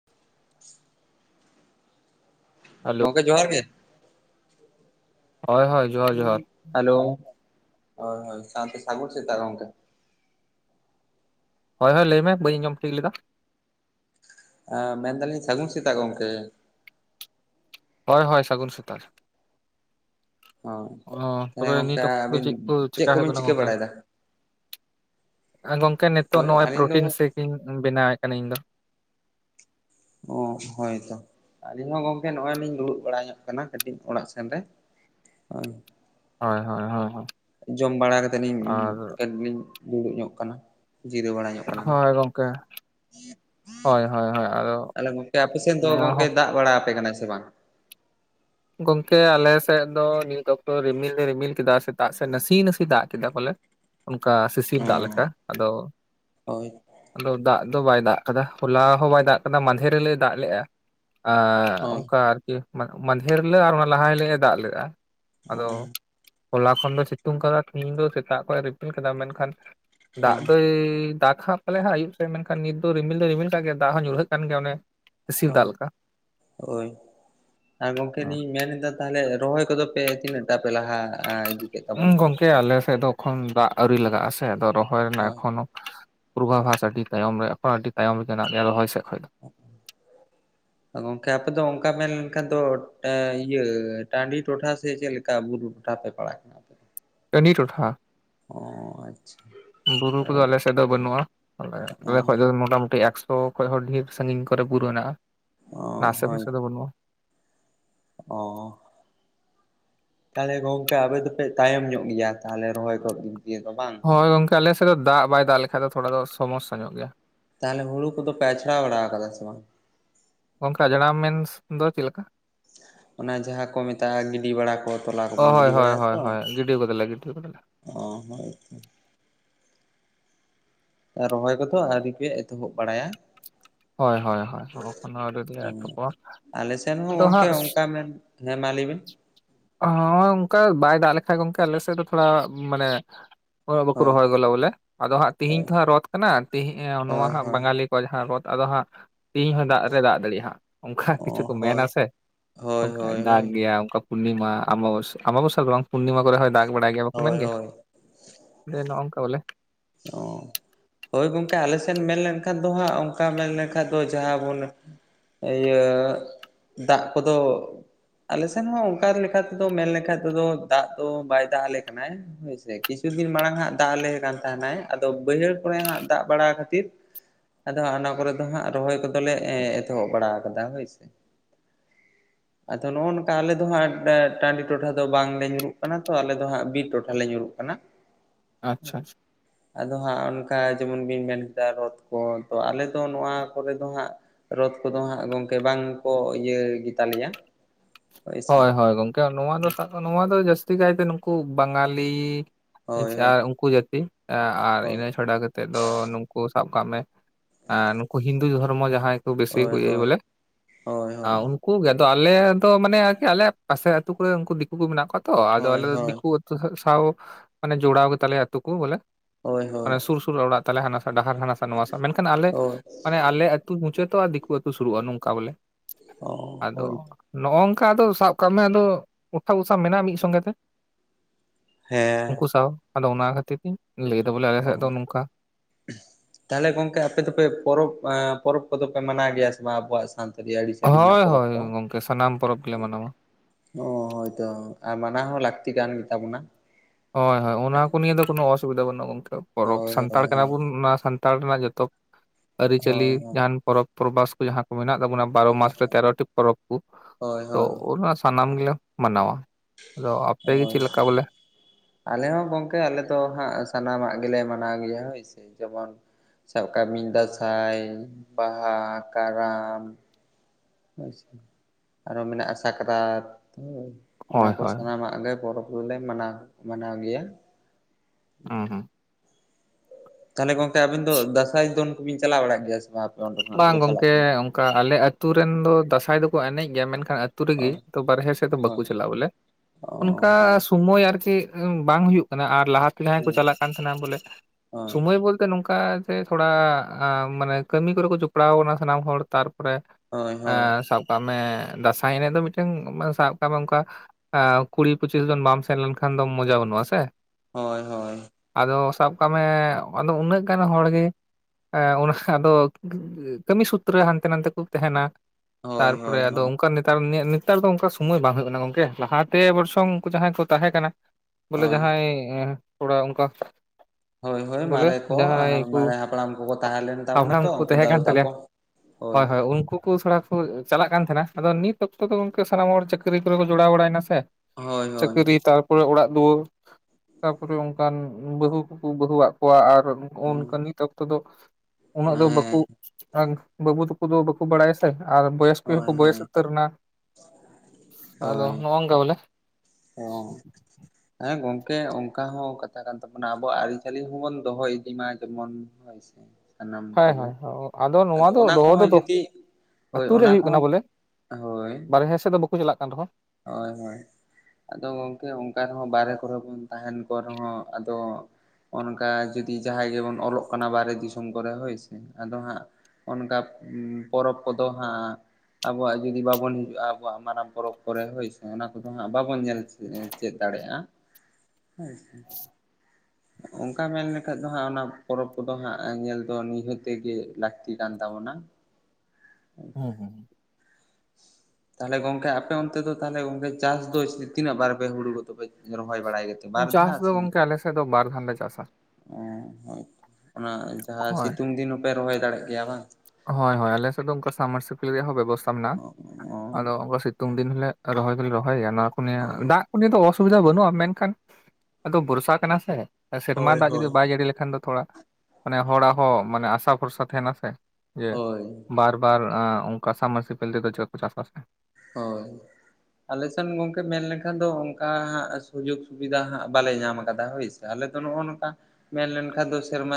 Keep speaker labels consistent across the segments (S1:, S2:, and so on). S1: [inaudible]
S2: Hello
S1: ᱜᱚᱝᱠᱮ ᱡᱚᱦᱟᱨ ᱜᱮ᱾
S2: ᱦᱚᱭ ᱦᱚᱭ ᱡᱚᱦᱟᱨ ᱡᱚᱦᱟᱨ᱾
S1: ᱦᱮᱞᱳ ᱦᱳᱭ ᱦᱳᱭ ᱥᱟᱶᱛᱮ ᱥᱟᱹᱜᱩᱱ ᱥᱮᱛᱟᱜ ᱜᱚᱝᱠᱮ᱾
S2: ᱦᱚᱭ ᱦᱚᱭ ᱞᱟᱹᱭ ᱢᱮ ᱵᱟᱹᱧ ᱡᱚᱢ ᱴᱷᱤᱠ ᱞᱮᱫᱟ?
S1: ᱮᱸ ᱢᱮᱱᱫᱟᱞᱤᱧ ᱥᱟᱹᱜᱩᱱ ᱥᱮᱛᱟᱜ ᱜᱚᱝᱠᱮᱸ
S2: ᱦᱚᱭ ᱦᱚᱭ ᱥᱟᱹᱜᱩᱱ ᱥᱮᱛᱟᱜ᱾
S1: ᱦᱳᱭ
S2: ᱚ
S1: ᱛᱟᱦᱚᱞᱮ
S2: ᱛᱚᱵᱮ
S1: ᱜᱚᱝᱠᱮ
S2: ᱱᱤᱛ ᱚᱠᱛᱚ
S1: ᱟᱹᱵᱤᱱ
S2: ᱪᱮᱜ ᱠᱚ
S1: ᱪᱮᱫ
S2: ᱪᱮᱠᱟ ᱦᱩᱭᱩᱜ
S1: ᱠᱚᱵᱤᱱ
S2: ᱠᱟᱱᱟ
S1: ᱪᱤᱠᱟᱹ
S2: ᱜᱚᱝᱠᱮ?
S1: ᱵᱟᱲᱟᱭᱮᱫᱟ
S2: ᱮᱸ ᱜᱚᱝᱠᱮ ᱱᱤᱛᱚᱜ
S1: ᱦᱳᱭ
S2: ᱱᱚᱜᱼᱚᱭ
S1: ᱟᱹᱞᱤᱧ ᱫᱚ
S2: ᱯᱨᱚᱴᱤᱱ ᱥᱮᱠᱤᱧ ᱵᱮᱱᱟᱣᱮᱜ ᱠᱟᱱᱟ ᱤᱧ ᱫᱚ᱾
S1: ᱚ ᱦᱚᱭᱛᱚ ᱟᱹᱞᱤᱧ ᱦᱚᱸ ᱜᱚᱝᱠᱮ ᱱᱚᱜᱼᱚᱭ ᱞᱤᱧ ᱫᱩᱲᱩᱵ ᱵᱟᱲᱟ ᱧᱚᱜ ᱠᱟᱱᱟ ᱠᱟᱹᱴᱤᱡ ᱚᱲᱟᱜ ᱥᱮᱱ ᱨᱮ᱾ [inaudible]
S2: ᱦᱟᱭ ᱦᱚᱭ ᱦᱚᱭ ᱦᱚᱭ
S1: ᱡᱚᱢ ᱵᱟᱲᱟ ᱠᱟᱛᱮᱜ ᱞᱤᱧ ᱠᱟᱹᱴᱤᱡ ᱞᱤᱧ ᱫᱩᱲᱩᱵ ᱧᱚᱜ ᱠᱟᱱᱟ ᱡᱤᱨᱟᱹᱣ ᱵᱟᱲᱟ ᱧᱚᱜ ᱟᱠᱟᱱᱟ
S2: ᱦᱳᱭ ᱜᱚᱝᱠᱮ ᱦᱳᱭ ᱦᱳᱭ ᱦᱳᱭ ᱟᱫᱚ
S1: ᱛᱟᱦᱞᱮ ᱜᱚᱝᱠᱮ ᱟᱯᱮ ᱥᱮᱫ ᱫᱚ ᱜᱚᱝᱠᱮ
S2: ᱦᱚᱸ
S1: ᱫᱟᱜ ᱵᱟᱲᱟ ᱟᱯᱮ ᱠᱟᱱᱟᱭ ᱥᱮ ᱵᱟᱝ?
S2: ᱜᱚᱝᱠᱮ ᱟᱞᱮᱥᱮᱫ ᱫᱚ ᱱᱤᱛ ᱚᱠᱛᱚ ᱨᱤᱢᱤᱞ ᱫᱚᱭ ᱨᱤᱢᱤᱞ ᱠᱮᱫᱟ ᱥᱮᱛᱟᱜ ᱥᱮ ᱱᱟᱥᱮ ᱱᱟᱥᱮ ᱫᱟᱜ ᱠᱮᱫᱟ ᱯᱟᱞᱮ᱾ ᱚᱱᱠᱟ ᱥᱤᱥᱤᱨ ᱫᱟᱜ ᱞᱮᱠᱟ
S1: ᱦᱳᱭ
S2: ᱟᱫᱚ
S1: ᱦᱳᱭ
S2: ᱟᱫᱚ ᱫᱟᱜ ᱫᱚ ᱵᱟᱭ ᱫᱟᱜ ᱟᱠᱟᱫᱟ ᱦᱚᱞᱟ ᱦᱚᱸ ᱵᱟᱭ ᱫᱟᱜ ᱟᱠᱟᱫᱟ, ᱢᱟᱸᱫᱷᱮᱨ ᱦᱮᱞᱳᱮᱜ ᱮ ᱫᱟᱜ ᱞᱮᱫᱟ᱾ ᱟᱸ
S1: ᱦᱳᱭ
S2: ᱚᱝᱠᱟ ᱟᱨᱠᱤ ᱢᱟᱸᱫᱷᱮᱨ ᱦᱤᱞᱳᱜ ᱟᱨ ᱚᱱᱟ ᱞᱟᱦᱟ ᱦᱤᱞᱳᱜ ᱮ ᱫᱟᱜ ᱞᱮᱜᱼᱟ᱾ ᱟᱫᱚ ᱦᱚᱞᱟ ᱠᱷᱚᱱ ᱫᱚᱭ ᱥᱤᱛᱩᱝ ᱠᱟᱫᱟ ᱛᱤᱦᱤᱧ ᱫᱚ ᱥᱮᱛᱟᱜ ᱠᱷᱚᱡᱮ ᱨᱤᱯᱤᱞ ᱠᱟᱫᱟ ᱢᱮᱱᱠᱷᱟᱱ ᱫᱟᱜ
S1: ᱦᱳᱭ
S2: ᱫᱚᱭ ᱫᱟᱜ ᱦᱟᱜ ᱯᱟᱞᱮ ᱦᱟᱸᱜ ᱟᱭᱩᱵ ᱥᱮᱜ ᱢᱮᱱᱠᱷᱟᱱ ᱱᱤᱛ ᱫᱚ ᱨᱤᱢᱤᱞ ᱫᱚ ᱨᱤᱢᱤᱞ ᱠᱟᱜ ᱜᱮᱭᱟ ᱫᱟᱜ ᱦᱚᱸ ᱧᱩᱨᱦᱟᱹᱜ ᱠᱟᱱ ᱜᱮᱭᱟ ᱚᱱᱮ ᱥᱤᱥᱤᱨ
S1: ᱦᱳᱭ
S2: ᱫᱟᱜ ᱞᱮᱠᱟ᱾
S1: ᱦᱳᱭ ᱟᱨ ᱜᱚᱝᱠᱮ ᱞᱤᱧ ᱢᱮᱱᱮᱫ ᱛᱟᱦᱞᱮ ᱨᱚᱦᱚᱭ ᱠᱚᱫᱚ ᱯᱮ ᱛᱤᱱᱟᱹᱜ ᱴᱟ ᱯᱮ ᱞᱟᱦᱟ ᱠᱟᱜᱼᱟ ᱤᱫᱤ ᱠᱮᱫ ᱛᱟᱵᱚᱱᱟ?
S2: ᱟᱞᱮᱥᱮᱜ ᱫᱚ ᱮᱠᱷᱚᱱ ᱫᱟᱜ ᱟᱣᱨᱤ ᱞᱟᱜᱟᱜᱼᱟ ᱥᱮ ᱟᱫᱚ ᱨᱚᱦᱚᱭ ᱨᱮᱱᱟᱜ
S1: ᱦᱳᱭ
S2: ᱮᱠᱷᱚᱱᱳ ᱯᱩᱨᱵᱟ ᱵᱷᱟᱥ ᱟᱹᱰᱤ ᱛᱟᱭᱚᱢ ᱨᱮ ᱮᱠᱷᱚᱱ ᱟᱹᱰᱤ ᱛᱟᱭᱚᱢ ᱨᱮᱜᱮ ᱢᱮᱱᱟᱜ ᱞᱮᱭᱟ ᱨᱚᱦᱚᱭ ᱥᱮᱫ ᱠᱷᱚᱡ ᱫᱚ᱾ [inaudible]
S1: ᱜᱚᱝᱠᱮ ᱟᱯᱮ ᱫᱚ ᱚᱝᱠᱟ ᱢᱮᱱᱞᱱᱠᱷᱟᱱ ᱫᱚ ᱤᱭᱟᱹ ᱴᱟᱺᱰᱤ ᱴᱚᱴᱷᱟ ᱥᱮ ᱪᱮᱜ ᱞᱮᱠᱟ ᱵᱩᱨᱩ? ᱴᱟ ᱯᱮ ᱯᱟᱲᱟᱜ ᱠᱟᱱᱟ ᱟᱯᱮ ᱫᱚ?
S2: ᱴᱟᱺᱰᱤ ᱴᱚᱴᱷᱟ᱾
S1: ᱚᱸᱻ ᱟᱪᱪᱷᱟ᱾
S2: ᱵᱩᱨᱩ ᱠᱚᱫᱚ
S1: ᱦᱳᱭ
S2: ᱟᱞᱮᱥᱮᱜ ᱫᱚ ᱵᱟᱹᱱᱩᱜᱼᱟ᱾ ᱟᱞᱮ ᱟᱞᱮ ᱠᱷᱚᱡ ᱫᱚ
S1: ᱚ
S2: ᱢᱚᱴᱟ ᱢᱩᱴᱤ ᱮᱠᱥᱚ ᱥᱚ ᱠᱷᱚᱡ ᱦᱚ ᱰᱷᱮᱨ ᱥᱟᱺᱜᱤᱧ ᱠᱚᱨᱮ ᱵᱩᱨᱩ ᱦᱮᱱᱟᱜᱼᱟ᱾ ᱚᱱᱟ ᱟᱥᱮ ᱯᱟᱥᱮ ᱫᱚ ᱵᱟᱹᱱᱩᱜᱼᱟ᱾
S1: ᱚᱸᱻ ᱛᱟᱦᱚᱞᱮ ᱜᱚᱝᱠᱮ ᱟᱵᱮ ᱫᱚᱯᱮ ᱛᱟᱭᱚᱢ ᱧᱚᱜ ᱜᱮᱭᱟ ᱛᱟᱦᱚᱞᱮ ᱨᱚᱦᱚᱭ ᱠᱚ ᱫᱤᱠ ᱫᱤᱭᱮ ᱫᱚ ᱵᱟᱝ?
S2: ᱦᱳᱭ ᱜᱚᱝᱠᱮ ᱟᱞᱮᱥᱮᱜ ᱫᱚ ᱫᱟᱜ ᱵᱟᱭ ᱫᱟᱜ ᱞᱮᱠᱷᱟᱡ ᱫᱚ ᱛᱷᱚᱲᱟ ᱫᱚ ᱥᱚᱢᱚᱥᱥᱟ ᱧᱚᱜ ᱜᱮᱭᱟ᱾
S1: ᱛᱟᱦᱚᱞᱮ ᱦᱩᱲᱩ ᱠᱚᱫᱚ ᱯᱮ ᱟᱪᱷᱲᱟ ᱵᱟᱲᱟᱣ ᱠᱟᱫᱟ ᱥᱮ ᱵᱟᱝ?
S2: ᱜᱚᱝᱠᱮ ᱟᱡᱲᱟᱣ ᱢᱮᱱᱥ ᱫᱚ ᱪᱮᱫ ᱞᱮᱠᱟ?
S1: ᱚᱱᱟ ᱡᱟᱦᱟᱸ ᱠᱚ ᱢᱮᱛᱟᱜᱼᱟ ᱜᱤᱰᱤ ᱵᱟᱲᱟ ᱠᱚ ᱛᱚᱞᱟ
S2: ᱚ
S1: ᱠᱚᱵᱚᱱ
S2: ᱦᱳᱭ
S1: ᱜᱤᱰᱤ
S2: ᱦᱳᱭ
S1: ᱵᱟᱲᱟᱭᱟ
S2: ᱦᱳᱭ
S1: ᱛᱚ᱾
S2: ᱦᱳᱭ ᱜᱤᱰᱤᱣ ᱠᱟᱫᱟᱞᱮ ᱜᱤᱰᱤᱣ ᱠᱟᱫᱟᱞᱮ
S1: ᱚᱸ ᱦᱳᱭ ᱦᱳᱭ᱾ ᱨᱚᱦᱚᱭ ᱠᱚᱫᱚ ᱟᱹᱣᱨᱤᱯᱮ ᱮᱛᱚᱦᱚᱵ ᱵᱟᱲᱟᱭᱟ?
S2: ᱦᱳᱭ ᱦᱳᱭ ᱦᱳᱭ ᱮᱠᱷᱚᱱᱚ ᱟᱹᱣᱨᱤᱞᱮ
S1: ᱚᱸᱻ
S2: ᱮᱛᱚᱦᱚᱵᱟ
S1: ᱟᱞᱮ ᱥᱮᱱ ᱦᱚᱸ
S2: ᱟᱫᱚ
S1: ᱜᱚᱝᱠᱮ
S2: ᱦᱟᱸᱜ
S1: ᱚᱱᱠᱟ ᱢᱮᱱ ᱦᱮᱸ ᱢᱟ ᱞᱟᱹᱭ ᱵᱤᱱ᱾
S2: ᱦᱚᱸ ᱚᱱᱠᱟ ᱵᱟᱭ ᱫᱟᱜ ᱞᱮᱠᱷᱟᱡ ᱜᱚᱝᱠᱮ ᱟᱞᱮ ᱥᱮᱜ ᱫᱚ ᱛᱷᱚᱲᱟ ᱢᱟᱱᱮ, ᱦᱚ ᱵᱟᱠᱚ
S1: ᱦᱳᱭ
S2: ᱨᱚᱦᱚᱭ ᱜᱚᱫᱟ ᱵᱚᱞᱮ, ᱟᱫᱚ ᱦᱟᱸᱜ ᱛᱤᱦᱤᱧ ᱛᱚ
S1: ᱦᱳᱭ
S2: ᱦᱟᱸᱜ ᱨᱚᱛᱷ ᱠᱟᱱᱟ, ᱱᱚᱣᱟ
S1: ᱦᱳᱭ
S2: ᱦᱟᱸᱜ
S1: ᱦᱳᱭ
S2: ᱵᱟᱝᱜᱟᱞᱤ ᱠᱚᱣᱟᱜ ᱡᱟᱦᱟᱸ ᱨᱚᱛᱷ᱾ ᱟᱫᱚ ᱦᱟᱸᱜ ᱛᱤᱦᱤᱧ ᱦᱚᱸ ᱫᱟᱜ ᱨᱮ ᱫᱟᱜ ᱫᱟᱲᱮᱭᱟᱜᱼᱟ, ᱦᱟᱸᱜ ᱚᱱᱠᱟ
S1: ᱚ
S2: ᱠᱤᱪᱷᱩ ᱠᱚ ᱢᱮᱱᱟ
S1: ᱦᱳᱭ
S2: ᱥᱮ᱾
S1: ᱦᱳᱭ
S2: ᱚᱱᱠᱟ
S1: ᱦᱳᱭ
S2: ᱫᱟᱜᱽ
S1: ᱦᱳᱭ
S2: ᱜᱮᱭᱟ ᱚᱝᱠᱟ ᱯᱩᱨᱱᱤᱢᱟ ᱟᱢᱟᱵᱚᱥᱥᱟ ᱟᱢᱟ ᱵᱚᱥᱥᱟ ᱫᱚ ᱵᱟᱝ ᱯᱩᱨᱱᱤᱢᱟ ᱠᱚᱨᱮ ᱦᱚᱭ ᱫᱟᱜ ᱵᱟᱲᱟᱭ ᱜᱮᱭᱟ ᱵᱟᱠᱚ ᱢᱮᱱ
S1: ᱦᱳᱭ ᱦᱳᱭ
S2: ᱜᱮᱭᱟ ᱱᱚᱝᱠᱟ ᱵᱚᱞᱮ
S1: ᱚᱸᱻ ᱦᱳᱭ ᱜᱚᱝᱠᱮ ᱟᱞᱮ ᱥᱮᱱ ᱢᱮᱱ ᱞᱮᱱᱠᱷᱟᱱ ᱫᱚ ᱦᱟᱸᱜ ᱚᱱᱠᱟ ᱢᱮᱱ ᱞᱮᱠᱷᱟᱡ ᱫᱚ ᱡᱟᱦᱟᱸ ᱵᱚᱱ ᱤᱭᱟᱹ ᱫᱟᱜ ᱠᱚᱫᱚ ᱟᱞᱮᱥᱮᱱ ᱦᱚᱸ ᱚᱱᱠᱟ ᱞᱮᱠᱟᱛᱮᱫᱚ ᱢᱮᱱ ᱞᱮᱠᱟ ᱛᱮᱫᱚ ᱫᱟᱜ ᱫᱚ ᱵᱟᱭ ᱫᱟᱜ ᱟᱞᱮ ᱠᱟᱱᱟᱭ᱾ ᱦᱳᱭᱥᱮ ᱠᱤᱪᱷᱩ ᱫᱤᱱ ᱢᱟᱲᱟᱝ ᱦᱟᱸᱜ ᱫᱟᱜ ᱟᱞᱮ ᱠᱟᱱ ᱛᱟᱦᱮᱱᱟᱭ᱾ ᱟᱫᱚ ᱵᱟᱹᱭᱦᱟᱹᱲ ᱠᱚᱨᱮᱱᱟᱹᱜ ᱫᱟᱜ ᱵᱟᱲᱟ ᱠᱷᱟᱹᱛᱤᱨ, ᱟᱫᱚ ᱦᱟᱸᱜ ᱚᱱᱟ ᱠᱚᱨᱮ ᱫᱚ ᱦᱟᱸᱜ ᱨᱚᱦᱚᱭ ᱠᱚᱫᱚᱞᱮ ᱮᱻ ᱮᱛᱚᱦᱚᱵ ᱵᱟᱲᱟ ᱠᱟᱫᱟ ᱦᱳᱭ ᱥᱮ᱾
S2: [inaudible]
S1: ᱟᱫᱚ ᱱᱚᱜᱼᱚ ᱱᱚᱝᱠᱟ ᱟᱞᱮ ᱫᱚ ᱦᱟᱸᱜ ᱴᱟᱺᱰᱤ ᱴᱚᱴᱷᱟ ᱫᱚ ᱵᱟᱝᱞᱮ ᱧᱩᱨᱩᱜ ᱠᱟᱱᱟ ᱛᱚ᱾ ᱟᱞᱮ ᱫᱚ ᱦᱟᱸᱜ ᱵᱤᱨ ᱴᱚᱴᱷᱟ ᱞᱮ ᱧᱩᱨᱩᱜ ᱠᱟᱱᱟ᱾
S2: ᱟᱪᱪᱷᱟ ᱟᱪᱷᱟ᱾
S1: ᱟᱫᱚ ᱦᱟᱸᱜ ᱚᱱᱠᱟ ᱡᱮᱢᱚᱱ ᱵᱤᱱ ᱢᱮᱱ ᱠᱮᱫᱟ ᱨᱚᱛᱷ ᱠᱚ, ᱛᱚ ᱟᱞᱮᱫᱚ ᱱᱚᱣᱟ ᱠᱚᱨᱮ ᱫᱚ ᱦᱟᱸᱜ ᱨᱚᱛᱷ‌ ᱠᱚᱫᱚ ᱦᱟᱸᱜ ᱜᱚᱝᱠᱮ ᱵᱟᱝᱠᱚ ᱤᱭᱟᱹ ᱜᱮᱛᱟᱞᱮᱭᱟ᱾
S2: ᱦᱳᱭ ᱦᱳᱭ ᱜᱚᱝᱠᱮ ᱱᱚᱣᱟ ᱫᱚ ᱥᱟᱵᱠᱟᱢ ᱱᱚᱣᱟ ᱫᱚ ᱡᱟᱹᱥᱛᱤ ᱠᱟᱭᱛᱮ ᱱᱩᱝᱠᱩ ᱵᱟᱝᱟᱞᱤ,
S1: ᱦᱳᱭ
S2: ᱟᱪᱪᱷᱟ
S1: ᱦᱳᱭ
S2: ᱟᱨ ᱩᱱᱠᱩ ᱡᱟᱹᱛᱤ ᱟᱨ
S1: ᱦᱳᱭ
S2: ᱤᱱᱟᱹ ᱪᱷᱟᱰᱟ ᱠᱟᱛ ᱛᱮᱜ ᱫᱚ ᱱᱚᱝᱠᱚ ᱥᱟᱵ ᱠᱟᱜ ᱢᱮ ᱟᱸ ᱱᱩᱱᱠᱩ ᱦᱤᱱᱫᱩ ᱫᱷᱚᱨᱢᱚ ᱡᱟᱦᱟᱸᱭ ᱠᱚ ᱵᱮᱥᱤ
S1: ᱦᱳᱭ
S2: ᱠᱚ ᱤᱭᱟᱭᱟ
S1: ᱦᱳᱭ
S2: ᱵᱚᱞᱮ,
S1: ᱦᱳᱭ ᱦᱳᱭ
S2: ᱩᱱᱠᱩ ᱠᱩ ᱜᱮ ᱟᱫᱚ ᱟᱞᱮᱫᱚ ᱢᱟᱱᱮ ᱟᱨᱠᱤ ᱟᱞᱮ ᱯᱟᱥᱮ ᱟᱹᱛᱩ ᱠᱚᱨᱮ ᱩᱱᱠᱩ ᱫᱤᱠᱩ ᱠᱚ ᱢᱮᱱᱟᱜ ᱠᱚᱣᱟ ᱛᱚ ᱟᱫᱚ
S1: ᱦᱳᱭ
S2: ᱟᱞᱮᱫᱚ
S1: ᱦᱳᱭ
S2: ᱫᱤᱠᱩ ᱟᱹᱛᱩ ᱥᱟᱣ ᱢᱟᱱᱮ ᱡᱳᱲᱟᱣ ᱜᱮᱛᱟᱞᱮᱭᱟ ᱟᱛᱩ ᱠᱩ ᱵᱚᱞᱮ,
S1: ᱦᱳᱭ ᱦᱳᱭ
S2: ᱢᱟᱱᱮ ᱥᱩᱨᱼᱥᱩᱨ ᱚᱲᱟᱜ ᱛᱟᱞᱮ ᱦᱟᱱᱟ ᱰᱟᱦᱟᱨ ᱦᱟᱱᱟᱥᱟ ᱱᱚᱣᱟᱥᱟ ᱢᱮᱱᱠᱷᱟᱱ ᱟᱞᱮ
S1: ᱦᱳᱭ
S2: ᱢᱟᱱᱮ ᱟᱞᱮ ᱟᱹᱛᱩ ᱟᱹᱛᱩ ᱢᱩᱪᱟᱹᱫᱚᱜᱼᱟ, ᱫᱤᱠᱩ ᱟᱹᱛᱩ ᱥᱩᱨᱩᱜᱼᱟ, ᱱᱚᱝᱠᱟ ᱵᱚᱞᱮ
S1: ᱚ
S2: ᱟᱫᱚ
S1: ᱦᱳᱭ
S2: ᱱᱚ ᱚᱱᱠᱟ ᱟᱫᱚ ᱥᱟᱵ ᱠᱟᱜ ᱢᱮ ᱟᱫᱚ ᱳᱴᱷᱟᱵᱚᱥᱟ ᱢᱮᱱᱟᱜᱼᱟ ᱢᱤᱜ ᱥᱚᱸᱜᱮ ᱛᱮ
S1: ᱦᱮᱸ
S2: ᱩᱱᱠᱩ ᱥᱟᱶ ᱟᱫᱚ ᱚᱱᱟ ᱠᱷᱟᱹᱛᱤᱨ ᱛᱤᱧ ᱞᱟᱹᱭᱫᱟ ᱵᱚᱞᱮ ᱟᱞᱮ
S1: ᱚ
S2: ᱥᱮᱜ ᱫᱚ ᱱᱚᱝᱠᱟ᱾
S1: ᱛᱟᱦᱚᱞᱮ ᱜᱚᱝᱠᱮ ᱟᱯᱮ ᱫᱚᱯᱮ ᱯᱚᱨᱚᱵᱽ ᱮᱸ ᱯᱚᱨᱚᱵᱽ ᱠᱚᱫᱚ ᱯᱮ ᱢᱟᱱᱟᱣ ᱜᱮᱭᱟ ᱥᱮ ᱵᱟᱝ ᱟᱵᱚᱣᱟᱜ ᱥᱟᱱ?
S2: ᱦᱳᱭ ᱦᱳᱭ ᱜᱚᱝᱠᱮ ᱥᱟᱱᱟᱢ ᱯᱚᱨᱚᱵᱽ ᱜᱮᱞᱮ ᱢᱟᱱᱟᱣᱟ᱾
S1: ᱚᱸᱻ ᱦᱳᱭᱛᱚ ᱟᱨ ᱢᱟᱱᱟᱣ ᱦᱚᱸ ᱞᱟᱹᱠᱛᱤ ᱠᱟᱱ ᱜᱮᱛᱟᱵᱚᱱᱟ᱾
S2: ᱦᱳᱭ ᱦᱳᱭ ᱚᱱᱟ ᱠᱚ ᱱᱤᱭᱮ ᱫᱚ ᱠᱳᱱᱳ ᱚᱥᱩᱵᱤᱫᱟ ᱵᱟᱹᱱᱩᱜᱼᱟ ᱜᱚᱝᱠᱮ᱾ ᱯᱚᱨᱚᱵᱽ
S1: ᱦᱳᱭ
S2: ᱥᱟᱱᱛᱟᱲ
S1: ᱦᱳᱭ
S2: ᱠᱟᱱᱟ ᱵᱚᱱ ᱚᱱᱟ ᱥᱟᱱᱛᱟᱲ ᱨᱮᱱᱟᱜ ᱡᱚᱛᱚ ᱟᱹᱨᱤ ᱪᱟᱹᱞᱤ
S1: ᱦᱳᱭ ᱦᱳᱭ
S2: ᱡᱟᱦᱟᱱ ᱯᱚᱨᱚᱵᱽ ᱯᱚᱨᱵᱷᱟᱥ ᱠᱚ ᱡᱟᱦᱟᱸ ᱢᱮᱱᱟᱜ ᱛᱟᱵᱚᱱᱟ ᱵᱟᱨᱚ ᱢᱟᱥ ᱨᱮ ᱛᱮᱨᱚᱴᱤ ᱯᱚᱨᱚᱵᱽ ᱠᱚ
S1: ᱦᱳᱭ ᱦᱳᱭ ᱦᱳᱭ
S2: ᱛᱚ ᱚᱱᱟ ᱥᱟᱱᱟᱢ ᱜᱮᱞᱮ ᱢᱟᱱᱟᱣᱟ ᱟᱫᱚ ᱟᱯᱮᱜᱮ
S1: ᱦᱳᱭ
S2: ᱪᱮᱫ ᱞᱮᱠᱟ ᱵᱚᱞᱮ
S1: ᱟᱞᱮ ᱦᱚᱸ ᱜᱚᱝᱠᱮ ᱟᱞᱮ ᱫᱚ ᱦᱟᱸᱜ ᱥᱟᱱᱟᱢᱟᱜ ᱜᱮᱞᱮ ᱢᱟᱱᱟᱣ ᱜᱮᱭᱟ ᱦᱳᱭ ᱥᱮ ᱡᱮᱢᱚᱱ ᱥᱟᱵ ᱠᱟᱜ ᱵᱤᱱ ᱫᱟᱸᱥᱟᱭ, ᱵᱟᱦᱟ, ᱠᱟᱨᱟᱢ ᱟᱨ ᱦᱚᱸ ᱢᱮᱱᱟᱜᱼᱟ ᱥᱟᱠᱨᱟᱛ ᱦᱳᱭ ᱚᱱᱟ
S2: ᱦᱳᱭ
S1: ᱠᱚ
S2: ᱦᱳᱭ
S1: ᱥᱟᱱᱟᱢᱟᱜ ᱜᱮ ᱯᱚᱨᱚᱵᱽ ᱞᱮ ᱢᱟᱱᱟᱣ ᱢᱟᱱᱟᱣ ᱜᱮᱭᱟ
S2: ᱦᱩᱹ ᱦᱩᱸ
S1: ᱛᱟᱦᱚᱞᱮ ᱜᱚᱝᱠᱮ ᱟᱵᱤᱱ ᱫᱚ ᱫᱟᱸᱥᱟᱭ ᱫᱚᱱ ᱠᱚ ᱵᱤᱱ ᱪᱟᱞᱟᱣ ᱵᱟᱲ ᱜᱮᱭᱟ ᱥᱮ ᱵᱟᱝ ᱟᱯᱮ ᱚᱸᱰᱮ ᱠᱷᱚᱱᱟᱜ ᱫᱚ
S2: ᱵᱟᱝ
S1: ᱠᱚ ᱪᱟᱞᱟᱜ
S2: ᱜᱚᱝᱠᱮ
S1: ᱜᱮᱭᱟ
S2: ᱚᱱᱠᱟ ᱟᱞᱮ ᱟᱹᱛᱩ ᱨᱮᱱ ᱫᱚ ᱫᱟᱥᱟᱸᱭ ᱫᱚ ᱠᱚ ᱮᱱᱮᱡ ᱜᱮᱭᱟ ᱢᱮᱱᱠᱷᱟᱱ ᱟᱹᱛᱩ ᱨᱮ ᱜᱮ
S1: ᱦᱳᱭ
S2: ᱵᱟᱨᱦᱮ ᱥᱮᱫ ᱫᱚ ᱵᱟᱠᱚ
S1: ᱦᱳᱭ
S2: ᱪᱟᱞᱟᱜᱼᱟ ᱵᱚᱞᱮ
S1: ᱚ
S2: ᱚᱱᱠᱟ
S1: ᱦᱳᱭ
S2: ᱥᱳᱢᱳᱭ ᱟᱨᱠᱤ ᱵᱟᱝ ᱦᱳᱭᱳᱜ ᱠᱟᱱᱟ ᱟᱨ ᱞᱟᱦᱟ ᱛᱮ ᱡᱟᱦᱟᱸᱭ ᱠᱚ
S1: ᱦᱳᱭ
S2: ᱪᱟᱞᱟᱜ ᱠᱟᱱ ᱛᱟᱦᱮᱸᱱᱟ ᱵᱚᱞᱮ ᱥᱳᱢᱚᱭ ᱵᱚᱞᱛᱮ ᱱᱚᱝᱠᱟ ᱥᱮ ᱛᱷᱚᱲᱟ ᱢᱟᱱᱮ ᱠᱟᱹᱢᱤ ᱠᱚ ᱨᱮ ᱠᱚ ᱡᱚᱯᱲᱟᱣ ᱟᱠᱟᱱᱟ ᱥᱟᱱᱟᱢ ᱦᱚᱲ ᱛᱟᱨᱯᱚᱨᱮ
S1: ᱦᱳᱭ ᱦᱳᱭ
S2: ᱟᱸ ᱥᱟᱵ ᱠᱟᱜ ᱢᱮ ᱫᱟᱸᱥᱟᱭ ᱮᱱᱮᱡ ᱫᱚ ᱢᱤᱫᱴᱮᱱ ᱥᱟᱵ ᱠᱟᱜ ᱢᱮ ᱚᱱᱠᱟ ᱠᱩᱲᱤ ᱯᱚᱸᱪᱤᱥ ᱡᱚᱱ ᱵᱟᱢ ᱥᱮᱱ ᱞᱮᱱᱠᱷᱟᱱ ᱫᱚ ᱢᱚᱡᱟ ᱵᱟᱹᱱᱩᱜᱼᱟ ᱥᱮ
S1: ᱦᱳᱭ ᱦᱳᱭ
S2: ᱟᱫᱚ ᱥᱟᱵ ᱠᱟᱜ ᱢᱮ ᱟᱫᱚ ᱩᱱᱟᱹᱜ ᱜᱟᱱ ᱦᱚᱲ ᱜᱮ ᱮᱸ ᱟᱫᱚ ᱠᱟᱹᱢᱤ ᱥᱩᱛᱨᱚ ᱦᱟᱱᱛᱮ ᱱᱟᱛᱮ ᱠᱩ ᱛᱟᱦᱮᱸᱱᱟ
S1: ᱦᱳᱭ
S2: ᱛᱟᱨᱯᱚᱨᱮ
S1: ᱦᱳᱭ
S2: ᱟᱫᱚ
S1: ᱦᱳᱭ
S2: ᱚᱱᱠᱟ ᱱᱮᱛᱟᱨ ᱱᱮᱛᱟᱨ ᱫᱚ ᱚᱱᱠᱟ ᱥᱳᱢᱚᱭ ᱵᱟᱝ ᱦᱩᱭᱩᱜ ᱠᱟᱱᱟ ᱜᱚᱝᱠᱮ ᱞᱟᱦᱟᱛᱮ ᱵᱚᱨᱥᱚᱝ ᱡᱟᱦᱟᱸᱭ ᱠᱚ ᱛᱟᱦᱮᱸ ᱠᱟᱱᱟ ᱵᱚᱞᱮ
S1: ᱦᱳᱭ
S2: ᱡᱟᱦᱟᱸᱭ ᱛᱷᱚᱲᱟ ᱚᱱᱠᱟ
S1: ᱦᱳᱭ ᱦᱳᱭ
S2: ᱵᱚᱞᱮ
S1: ᱢᱟᱨᱮ ᱠᱚ
S2: ᱡᱟᱦᱟᱸᱭ ᱠᱚ
S1: ᱢᱟᱨᱮ ᱦᱟᱯᱲᱟᱢ ᱠᱚ ᱠᱚ ᱛᱟᱦᱮᱸ ᱞᱮᱱ ᱛᱟᱵᱚᱱᱟ
S2: ᱦᱟᱯᱲᱟᱢ
S1: ᱛᱚ
S2: ᱠᱚ ᱛᱟᱦᱮᱸ ᱠᱟᱱ
S1: ᱫᱟᱫᱩ
S2: ᱛᱟᱞᱮᱭᱟ
S1: ᱛᱟᱠᱚ
S2: ᱦᱳᱭ ᱦᱳᱭ ᱩᱱᱠᱩ ᱠᱚ ᱛᱷᱚᱲᱟ ᱠᱚ ᱪᱟᱞᱟᱜ ᱠᱟᱱ ᱛᱟᱦᱮᱸᱱᱟ ᱟᱫᱚ ᱱᱤᱛ ᱚᱠᱛᱚ ᱫᱚ ᱜᱚᱝᱠᱮ ᱥᱟᱱᱟᱢ ᱦᱚᱲ ᱪᱟᱹᱠᱨᱤ ᱠᱚᱨᱮ ᱠᱚ ᱡᱚᱲᱟᱣ ᱵᱟᱲᱟᱭᱮᱱᱟ ᱥᱮ
S1: ᱦᱳᱭ ᱦᱳᱭ
S2: ᱪᱟᱹᱠᱨᱤ ᱛᱟᱨ ᱯᱚᱨᱮ ᱚᱲᱟᱜ ᱫᱩᱣᱟᱹᱨ ᱛᱟᱯᱚᱨᱮ ᱚᱱᱠᱟᱱ ᱵᱟᱹᱦᱩ ᱠᱚ ᱠᱚ ᱵᱟᱹᱦᱩ ᱟᱫ ᱠᱚᱣᱟ ᱟᱨ ᱚᱱᱠᱟ ᱱᱤᱛ ᱚᱠᱛᱚ ᱫᱚ ᱩᱱᱟᱹᱜ ᱫᱚ ᱵᱟᱠᱚ
S1: ᱦᱮᱸ
S2: ᱵᱟᱹᱵᱩ ᱛᱟᱠᱚ ᱫᱚ ᱵᱟᱠᱚ ᱵᱟᱲᱟᱭᱟ ᱥᱮ ᱟᱨ ᱵᱚᱭᱮᱥ ᱠᱚ
S1: ᱦᱳᱭ
S2: ᱦᱚᱸᱠᱚ ᱵᱚᱭᱮᱥ
S1: ᱦᱳᱭ
S2: ᱩᱛᱟᱹᱨ ᱮᱱᱟ ᱟᱫᱚ
S1: ᱦᱳᱭ
S2: ᱱᱚᱝᱠᱟ ᱵᱚᱞᱮ
S1: ᱚ ᱦᱮᱸ ᱜᱚᱝᱠᱮ ᱚᱱᱠᱟ ᱦᱚᱸ ᱠᱟᱛᱷᱟ ᱠᱟᱱ ᱛᱟᱵᱚᱱᱟ ᱟᱵᱚᱣᱟᱜ ᱟᱹᱨᱤᱪᱟᱹᱞᱤ ᱦᱚᱸᱵᱚᱱ ᱫᱚᱦᱚ ᱤᱫᱤ ᱢᱟ ᱡᱮᱢᱚᱱ [inaudible]
S2: ᱦᱳᱭ
S1: ᱠᱚᱜᱮ
S2: ᱦᱳᱭ ᱟᱫᱚ ᱱᱚᱣᱟ ᱫᱚ
S1: ᱚᱱᱟ
S2: ᱫᱚᱦᱚ ᱫᱚ
S1: ᱠᱚᱦᱚᱸ
S2: ᱫᱚ
S1: ᱡᱩᱫᱤ ᱦᱳᱭ
S2: ᱟᱹᱛᱩ ᱨᱮ
S1: ᱚᱱᱟ
S2: ᱦᱩᱭᱩᱜ ᱠᱟᱱᱟ
S1: ᱠᱚᱦᱚᱸ
S2: ᱵᱚᱞᱮ
S1: ᱦᱳᱭ
S2: ᱵᱟᱨᱦᱮ ᱥᱮᱫ ᱫᱚ ᱵᱟᱠᱚ ᱪᱟᱞᱟᱜ ᱠᱟᱱ ᱨᱮᱦᱚᱸ
S1: ᱦᱳᱭ ᱦᱳᱭ ᱟᱫᱚ ᱜᱚᱝᱠᱮ ᱚᱱᱠᱟ ᱨᱮᱦᱚᱸ ᱵᱟᱦᱨᱮ ᱠᱚᱨᱮ ᱵᱚᱱ ᱛᱟᱦᱮᱸᱱ ᱠᱚ ᱨᱮᱦᱚᱸ ᱟᱫᱚ ᱚᱱᱠᱟ ᱡᱩᱫᱤ ᱡᱟᱦᱟᱸᱭ ᱜᱮᱵᱚᱱ ᱚᱞᱚᱜ ᱠᱟᱱᱟ ᱵᱟᱦᱨᱮ ᱫᱤᱥᱚᱢ ᱠᱚᱨᱮ ᱦᱳᱭ ᱥᱮ ᱟᱫᱚ ᱦᱟᱸᱜ ᱚᱱᱠᱟ ᱯᱚᱨᱚᱵᱽ ᱠᱚᱫᱚ ᱦᱟᱸᱜ ᱟᱵᱩᱣᱟᱜ ᱡᱩᱫᱤ ᱵᱟᱵᱩᱱ ᱦᱤᱡᱩᱜᱼᱟ ᱟᱵᱩᱣᱟᱜ ᱢᱟᱨᱟᱝ ᱯᱚᱨᱚᱵᱽ ᱠᱚ ᱨᱮ ᱦᱳᱭ ᱥᱮ ᱚᱱᱟ ᱠᱚᱫᱚ ᱦᱟᱸᱜ ᱵᱟᱵᱚᱱ ᱧᱮᱞ ᱪᱮᱫ ᱫᱟᱲᱮᱟᱜᱼᱟ ᱦᱳᱭ ᱥᱮ
S2: [inaudible]
S1: ᱚᱱᱠᱟ ᱢᱮᱱ ᱞᱮᱠᱷᱟᱱ ᱫᱚ ᱦᱟᱸᱜ ᱚᱱᱟ ᱯᱚᱨᱚᱵᱽ ᱠᱚᱫᱚ ᱦᱟᱸᱜ ᱧᱮᱞ ᱫᱚ ᱱᱤᱦᱟᱹᱛ ᱜᱮ ᱞᱟᱹᱠᱛᱤ ᱠᱟᱱ ᱛᱟᱵᱚᱱᱟ
S2: ᱦᱩᱸ ᱦᱩᱸ
S1: ᱛᱟᱦᱚᱞᱮ ᱜᱚᱝᱠᱮ ᱟᱯᱮ ᱚᱱᱛᱮ ᱫᱚ ᱛᱟᱦᱞᱮ ᱜᱛᱝᱠᱮ ᱪᱟᱥ ᱫᱚ ᱛᱤᱱᱟᱹᱜ ᱵᱟᱨ ᱯᱮ ᱦᱩᱲᱩ ᱠᱚᱫᱚ ᱯᱮ ᱨᱚᱦᱚᱭ ᱵᱟᱲᱟᱭ ᱜᱮᱛᱮ ᱵᱟᱨ
S2: ᱪᱟᱥ
S1: ᱫᱷᱟᱣ
S2: ᱫᱚ ᱜᱚᱝᱠᱮ ᱟᱞᱮ ᱥᱮᱫ ᱫᱚ ᱵᱟᱨ ᱫᱷᱟᱣ ᱞᱮ ᱪᱟᱥᱟ
S1: ᱦᱚᱭᱛᱚ ᱚᱱᱟ ᱡᱟᱦᱟᱸ
S2: ᱦᱳᱭ
S1: ᱥᱤᱛᱩᱝ ᱫᱤᱱ ᱦᱚᱸᱯᱮ ᱨᱚᱦᱚᱭ ᱫᱟᱲᱮᱭᱟᱜ ᱜᱮᱭᱟ ᱵᱟᱝ
S2: ᱦᱳᱭ ᱦᱳᱭ ᱟᱞᱮ ᱥᱮᱫ ᱫᱚ ᱚᱱᱠᱟ ᱥᱟᱵᱢᱟᱨᱥᱤ ᱠᱚᱞ ᱨᱮᱭᱟᱜ ᱦᱚᱸ ᱵᱮᱵᱚᱥᱛᱟ ᱢᱮᱱᱟᱜᱼᱟ ᱟᱫᱚ ᱯᱟᱥᱮᱡ ᱥᱤᱛᱩᱝ ᱫᱤᱱ ᱦᱚᱞᱮ ᱨᱚᱦᱚᱭ ᱫᱚᱞᱮ ᱨᱚᱦᱚᱭᱟ ᱱᱚᱣᱟ ᱠᱚ ᱱᱤᱭᱮ ᱫᱟᱜ ᱠᱚ ᱱᱤᱭᱮ ᱫᱚ ᱚᱥᱩᱵᱤᱫᱷᱟ ᱵᱟᱹᱱᱩᱜᱼᱟ ᱢᱮᱱᱠᱷᱟᱱ ᱟᱫᱚ ᱵᱚᱨᱥᱟ ᱠᱟᱱᱟ ᱥᱮ ᱥᱮᱨᱢᱟ
S1: ᱦᱳᱭ
S2: ᱫᱟᱜ
S1: ᱦᱳᱭ
S2: ᱡᱩᱫᱤ ᱵᱟᱭ ᱡᱟᱹᱲᱤ ᱞᱮᱠᱷᱟᱱ ᱫᱚ ᱛᱷᱚᱲᱟ ᱢᱟᱱᱮ ᱦᱚᱲᱟᱜ ᱦᱚᱸ ᱢᱟᱱᱮ ᱟᱥᱟ ᱵᱷᱚᱨᱥᱟ ᱛᱟᱦᱮᱸᱱᱟ ᱥᱮ ᱡᱮ
S1: ᱦᱳᱭ
S2: ᱵᱟᱨ ᱵᱟᱨ ᱚᱱᱠᱟ ᱥᱟᱵᱢᱟᱨᱥᱟᱞ ᱛᱮᱫᱚ [unintelligible] ᱪᱟᱥᱵᱟᱥ
S1: ᱦᱳᱭ ᱟᱞᱮᱥᱮᱱ ᱜᱚᱝᱠᱮ ᱢᱮᱱ ᱞᱮᱠᱷᱟᱱ ᱫᱚ ᱚᱱᱠᱟ ᱦᱟᱸᱜ ᱥᱩᱡᱳᱜᱽ ᱥᱩᱵᱤᱫᱷᱟ ᱦᱟᱸᱜ ᱵᱟᱞᱮ ᱧᱟᱢ ᱟᱠᱟᱫᱟ ᱦᱳᱭᱥᱮ ᱛᱟᱦᱚᱞᱮ ᱱᱚᱜᱼᱚ ᱱᱚᱝᱠᱟ ᱢᱮᱱᱞᱮᱱᱠᱷᱟᱱ ᱫᱚ ᱥᱮᱨᱢᱟ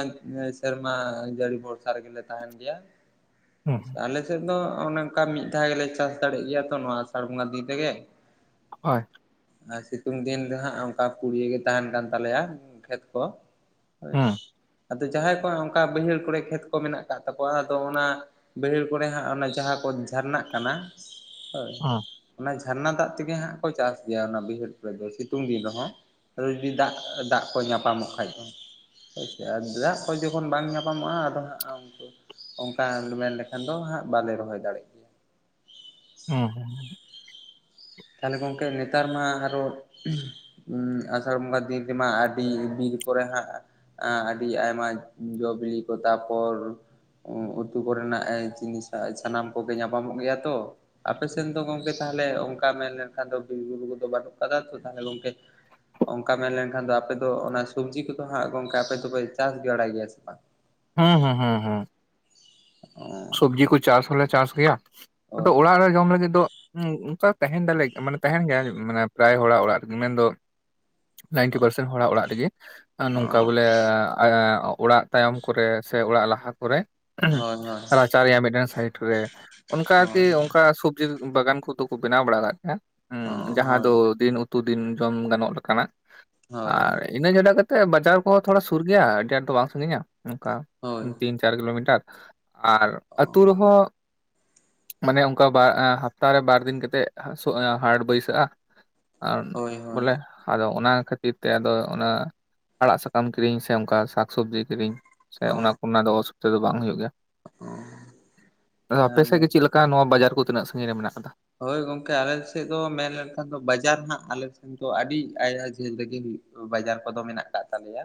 S1: ᱥᱮᱨᱢᱟ ᱡᱟᱹᱲᱤ ᱵᱷᱚᱨᱥᱟ ᱨᱮᱜᱮᱞᱮ ᱛᱟᱦᱮᱱ ᱜᱮᱭᱟ
S2: ᱦᱩᱸ ᱦᱩᱸ
S1: ᱟᱞᱮ ᱥᱮᱫ ᱫᱚ ᱚᱱᱮ ᱚᱱᱠᱟ ᱢᱤᱫ ᱫᱷᱟᱣ ᱜᱮᱞᱮ ᱪᱟᱥ ᱫᱟᱲᱮᱜ ᱜᱮᱭᱟ ᱛᱚ ᱱᱚᱣᱟ ᱟᱥᱟᱲ ᱵᱚᱸᱜᱟ ᱫᱤᱱ ᱨᱮᱜᱮ
S2: ᱦᱳᱭ
S1: ᱟᱨ ᱥᱤᱛᱩᱝ ᱫᱤᱱ ᱫᱚ ᱦᱟᱸᱜ ᱚᱱᱠᱟ ᱯᱩᱲᱤᱭᱟᱹ ᱜᱮ ᱛᱟᱦᱮᱱ ᱠᱟᱱ ᱛᱟᱞᱮᱭᱟ ᱠᱷᱮᱛ ᱠᱚ ᱦᱳᱭ
S2: ᱦᱩᱸ
S1: ᱟᱫᱚ ᱡᱟᱦᱟᱸᱭ ᱠᱚᱣᱟᱜ ᱚᱱᱠᱟ ᱵᱟᱹᱭᱦᱟᱹᱲ ᱠᱚᱨᱮ ᱠᱷᱮᱛ ᱠᱚ ᱢᱮᱱᱟᱜ ᱟᱠᱟᱫ ᱛᱟᱠᱚᱣᱟ ᱟᱫᱚ ᱚᱱᱟ ᱵᱟᱹᱭᱦᱟᱹᱲ ᱠᱚᱨᱮ ᱦᱟᱸᱜ ᱚᱱᱟ ᱡᱟᱦᱟᱸ ᱠᱚ ᱡᱷᱟᱨᱱᱟᱜ ᱠᱟᱱᱟ ᱦᱳᱭ
S2: ᱦᱩᱸ
S1: ᱚᱱᱟ ᱡᱷᱟᱨᱱᱟ ᱫᱟᱜ ᱛᱮᱜᱮ ᱦᱟᱸᱜ ᱠᱚ ᱪᱟᱥ ᱜᱮᱭᱟ ᱚᱱᱟ ᱵᱟᱹᱭᱦᱟᱹᱲ ᱠᱚᱨᱮ ᱫᱚ ᱥᱤᱛᱩᱝ ᱫᱤᱱ ᱨᱮᱦᱚᱸ ᱨᱩᱫᱤ ᱫᱟᱜ ᱫᱟᱜ ᱠᱚ ᱧᱟᱯᱟᱢᱚᱜ ᱠᱷᱟᱡ ᱫᱚ ᱦᱳᱭᱥᱮ ᱟᱨ ᱫᱟᱜ ᱠᱚ ᱡᱚᱠᱷᱚᱱ ᱵᱟᱝ ᱧᱟᱯᱟᱢᱚᱜᱼᱟ ᱟᱫᱚ ᱦᱟᱸᱜ ᱩᱱᱠᱩ ᱚᱱᱠᱟ ᱢᱮᱱ ᱞᱮᱠᱷᱟᱱ ᱫᱚ ᱦᱟᱸᱜ ᱵᱟᱞᱮ ᱨᱚᱦᱚᱭ ᱫᱟᱲᱮᱜ ᱜᱮᱭᱟ
S2: ᱦᱩᱸ
S1: ᱛᱟᱦᱞᱮ ᱜᱚᱢᱠᱮ ᱱᱮᱛᱟᱨ ᱢᱟ ᱟᱨᱚ ᱟᱥᱟᱲ ᱵᱚᱸᱜᱟ ᱫᱤᱱ ᱛᱮᱢᱟ ᱟᱹᱰᱤ ᱵᱤᱨ ᱠᱚᱨᱮ ᱦᱟᱸᱜ ᱮ ᱟᱹᱰᱤ ᱟᱭᱢᱟ ᱡᱚ ᱵᱤᱞᱤ ᱠᱚ ᱛᱟᱯᱚᱨ ᱩᱛᱩ ᱠᱚᱨᱮᱱᱟᱜ ᱡᱤᱱᱤᱥᱟᱜ ᱥᱟᱱᱟᱢ ᱠᱚᱜᱮ ᱧᱟᱯᱟᱢᱚᱜ ᱜᱮᱭᱟ ᱛᱚ ᱟᱯᱮ ᱥᱮᱱ ᱫᱚ ᱜᱚᱝᱠᱮ ᱛᱟᱦᱮᱞᱮ ᱚᱱᱠᱟ ᱢᱮᱱ ᱞᱮᱱᱠᱷᱟᱱ ᱫᱚ ᱵᱤᱨᱵᱩᱨᱩ ᱠᱚᱫᱚ ᱵᱟᱹᱱᱩᱜ ᱠᱟᱫᱟ ᱛᱚ ᱛᱟᱦᱞᱮ ᱜᱚᱝᱠᱮ ᱚᱱᱠᱟ ᱢᱮᱱᱞᱮᱱᱠᱷᱟᱱ ᱫᱚ ᱟᱯᱮ ᱫᱚ ᱚᱱᱟ ᱥᱚᱵᱡᱤ ᱠᱚᱫᱚ ᱦᱟᱸᱜ ᱜᱚᱝᱠᱮ ᱟᱯᱮ ᱫᱚᱯᱮ ᱪᱟᱥ ᱵᱟᱲᱟᱭ ᱜᱮᱭᱟ ᱥᱮ ᱵᱟᱝ
S2: ᱦᱩᱸ ᱦᱩᱸ ᱦᱩᱸ ᱦᱩᱸ
S1: ᱚ
S2: ᱥᱚᱵᱽᱡᱤ ᱠᱚ ᱪᱟᱥ ᱦᱚᱞᱮ ᱪᱟᱥ ᱜᱮᱭᱟ ᱟᱫᱚ
S1: ᱦᱳᱭ
S2: ᱚᱲᱟᱜ ᱨᱮ ᱡᱚᱢ ᱞᱟᱹᱜᱤᱫ ᱫᱚ ᱦᱮᱸ ᱚᱱᱠᱟ ᱛᱟᱦᱮᱱ ᱫᱟᱞᱮ ᱢᱟᱱᱮ ᱛᱟᱦᱮᱱ ᱜᱮᱭᱟ ᱢᱟᱱᱮ ᱯᱟᱨᱟᱭ ᱦᱚᱲᱟᱜ ᱚᱲᱟᱜ ᱨᱮᱜᱮ ᱢᱮᱱᱫᱚ ᱱᱟᱭᱤᱱᱴᱤ ᱯᱟᱨᱥᱮᱱᱴ ᱦᱚᱲᱟᱜ ᱚᱲᱟᱜ ᱨᱮᱜᱮ ᱱᱚᱝᱠᱟ
S1: ᱚ
S2: ᱵᱚᱞᱮ ᱚᱲᱟᱜ ᱛᱟᱭᱚᱢ ᱠᱚᱨᱮ ᱥᱮ ᱚᱲᱟᱜ ᱞᱟᱦᱟ ᱠᱚᱨᱮ
S1: ᱦᱳᱭ ᱦᱳᱭ
S2: ᱪᱟᱨ ᱨᱮᱭᱟᱜ ᱢᱤᱫᱴᱮᱱ ᱥᱟᱭᱤᱴ ᱨᱮ ᱚᱱᱠᱟ ᱟᱨᱠᱤ ᱚᱱᱠᱟ ᱥᱚᱵᱡᱤ ᱵᱟᱜᱟᱱ ᱠᱚᱫᱚ ᱠᱚ ᱵᱮᱱᱟᱣ ᱵᱟᱲᱟ ᱠᱟᱫ ᱜᱮᱭᱟ ᱡᱟᱦᱟᱸ
S1: ᱦᱳᱭ
S2: ᱫᱚ ᱫᱤᱱ ᱩᱛᱩ ᱫᱤᱱ ᱡᱚᱢ ᱜᱟᱱᱚᱜ ᱞᱮᱠᱟᱱᱟᱜ
S1: ᱦᱳᱭ ᱚ ᱦᱳᱭ
S2: ᱟᱨ ᱤᱱᱟᱹ ᱪᱷᱟᱰᱟ ᱠᱟᱛᱮᱫ ᱵᱟᱡᱟᱨ ᱠᱚᱦᱚᱸ ᱛᱷᱚᱲᱟ ᱥᱩᱨ ᱜᱮᱭᱟ ᱟᱹᱰᱤ ᱟᱸᱴ ᱫᱚ ᱵᱟᱝ ᱥᱟᱹᱜᱤᱧᱟ ᱚᱱᱠᱟ
S1: ᱦᱳᱭ ᱦᱳᱭ ᱦᱳᱭ
S2: ᱛᱤᱱ ᱪᱟᱨ ᱠᱤᱞᱳᱢᱤᱴᱟᱨ ᱟᱨ ᱟᱹᱛᱩ ᱨᱮᱦᱚᱸ ᱢᱟᱱᱮ ᱚᱱᱠᱟ ᱵᱟᱨ ᱦᱟᱯᱛᱟᱨᱮ ᱵᱟᱨᱫᱤᱱ ᱠᱟᱛᱮᱫ ᱦᱟᱴ ᱵᱟᱹᱭᱥᱟᱹᱜᱼᱟ ᱟᱨ
S1: ᱦᱳᱭ ᱦᱳᱭ
S2: ᱵᱚᱞᱮ ᱟᱫᱚ ᱚᱱᱟ ᱠᱷᱟᱹᱛᱤᱨ ᱠᱷᱟᱹᱛᱤᱨ ᱛᱮ ᱟᱫᱚ ᱚᱱᱟ ᱟᱲᱟᱜ ᱥᱟᱠᱟᱢ ᱠᱤᱨᱤᱧ ᱥᱮ ᱚᱱᱠᱟ ᱥᱟᱠᱥᱚᱵᱽᱡᱤ ᱠᱤᱨᱤᱧ ᱥᱮ
S1: ᱚ
S2: ᱚᱱᱟ ᱠᱚᱱᱟᱜ ᱫᱚ ᱚᱥᱩᱵᱤᱫᱷᱟ ᱫᱚ ᱵᱟᱝ ᱦᱩᱭᱩᱜ ᱜᱮᱭᱟ
S1: ᱚ
S2: ᱟᱫᱚ ᱟᱯᱮᱥᱮᱫ
S1: ᱛᱟᱦᱚᱞᱮ
S2: ᱜᱮ ᱪᱮᱫ ᱞᱮᱠᱟ ᱱᱚᱣᱟ ᱵᱟᱡᱟᱨ ᱠᱚ ᱛᱤᱱᱟᱹᱜ ᱥᱟᱺᱜᱤᱧ ᱨᱮ ᱢᱮᱱᱟᱜ ᱟᱠᱟᱫᱟ
S1: ᱦᱳᱭ ᱜᱚᱝᱠᱮ ᱟᱞᱮ ᱥᱮᱫ ᱫᱚ ᱢᱮᱱ ᱞᱮᱱᱠᱷᱟᱱ ᱫᱚ ᱵᱟᱡᱟᱨ ᱦᱟᱸᱜ ᱟᱞᱮᱥᱮᱫ ᱫᱚ ᱟᱹᱰᱤ ᱟᱭᱢᱟ ᱡᱷᱟᱹᱞ ᱨᱮᱜᱮ ᱦᱩᱭᱩᱜ ᱵᱟᱡᱟᱨ ᱠᱚᱫᱚ ᱢᱮᱱᱟᱜ ᱠᱟᱜ ᱛᱟᱞᱮᱭᱟ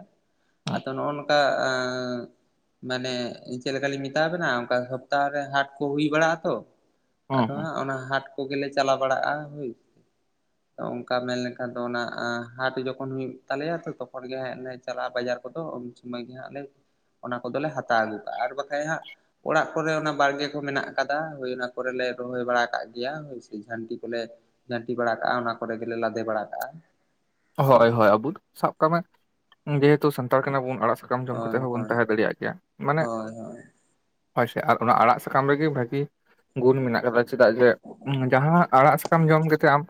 S1: ᱟᱫᱚ ᱱᱚᱜᱼᱚ ᱱᱚᱝᱠᱟ ᱢᱟᱱᱮ ᱪᱮᱫ ᱞᱮᱠᱟᱞᱤᱧ ᱢᱮᱛᱟᱣᱟᱵᱮᱱᱟ ᱚᱱᱠᱟ ᱥᱚᱯᱛᱟᱦ ᱨᱮ ᱦᱟᱴ ᱠᱚ ᱦᱩᱭ ᱵᱟᱲᱟᱜ ᱟᱛᱚ
S2: ᱦᱩᱸ
S1: ᱟᱫᱚ
S2: ᱦᱩᱸ
S1: ᱦᱟᱸᱜ ᱚᱱᱟ ᱦᱟᱴ ᱠᱚᱜᱮᱞᱮ ᱪᱟᱞᱟᱣ ᱵᱟᱲᱟᱜᱼᱟ ᱦᱳᱭ
S2: [inaudible]
S1: ᱛᱚ ᱚᱱᱠᱟ ᱢᱮᱱᱞᱠᱷᱟᱱ ᱫᱚ ᱚᱱᱟ ᱦᱟᱴ ᱡᱚᱠᱷᱚᱱ ᱦᱩᱭᱩᱜ ᱛᱟᱞᱮᱭᱟ ᱛᱚ ᱛᱚᱠᱷᱚᱱ ᱜᱮ ᱦᱮᱡ ᱞᱮ ᱪᱟᱞᱟᱜᱼᱟ ᱵᱟᱡᱟᱨ ᱠᱚᱫᱚ ᱥᱚᱢᱚᱭ ᱜᱮ ᱦᱟᱸᱜ ᱞᱮ ᱚᱱᱟ ᱠᱚᱫᱚᱞᱮ ᱦᱟᱛᱟᱣ ᱟᱹᱜᱩ ᱠᱟᱜᱼᱟ ᱟᱨ ᱵᱟᱠᱷᱟᱡ ᱦᱟᱸᱜ ᱚᱲᱟᱜ ᱠᱚᱨᱮ ᱚᱱᱟ ᱵᱟᱲᱜᱮ ᱠᱚ ᱢᱮᱱᱟᱜ ᱟᱠᱟᱫᱟ ᱦᱳᱭ ᱚᱱᱟ ᱠᱚᱨᱮᱞᱮ ᱨᱚᱦᱚᱭ ᱵᱟᱲᱟ ᱟᱠᱟᱫ ᱜᱮ ᱜᱮᱭᱟ ᱦᱳᱭᱥᱮ ᱡᱷᱟᱹᱱᱴᱤ ᱠᱚᱞᱮ ᱡᱷᱟᱹᱱᱴᱤ ᱵᱟᱲᱟ ᱠᱟᱜᱼᱟ ᱚᱱᱟ ᱠᱚᱨᱮ ᱜᱮᱞᱮ ᱞᱟᱫᱮ ᱵᱟᱲᱟ ᱠᱟᱜᱼᱟ
S2: ᱦᱳᱭ ᱦᱳᱭ ᱟᱵᱩ ᱥᱟᱵ ᱠᱟᱜ ᱢᱮ ᱡᱮᱦᱮᱛᱩ ᱥᱟᱱᱛᱟᱲ ᱠᱟᱱᱟ ᱵᱩᱱ ᱟᱲᱟᱜ ᱥᱟᱠᱟᱢ ᱡᱚᱢ
S1: ᱦᱳᱭ
S2: ᱠᱟᱛᱮᱫ ᱦᱚᱸᱵᱚᱱ ᱛᱟᱸᱦᱮ ᱫᱟᱲᱮᱭᱟᱜ ᱜᱮᱭᱟ ᱢᱟᱱᱮ
S1: ᱦᱳᱭ ᱦᱳᱭ
S2: ᱦᱳᱭ ᱥᱮ ᱟᱨ ᱚᱱᱟ ᱟᱲᱟᱜ ᱥᱟᱠᱟᱢ ᱨᱮᱜᱮ ᱵᱷᱟᱹᱜᱤ ᱜᱩᱱ ᱢᱮᱱᱟᱜ ᱟᱠᱟᱫᱟ ᱪᱮᱫᱟᱜ ᱡᱮ ᱡᱟᱦᱟᱸ ᱟᱲᱟᱜ ᱥᱟᱠᱟᱢ ᱡᱚᱢ ᱠᱟᱛᱮᱜ ᱟᱢ